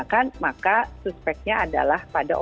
kan kita respirasi dari sadar sadar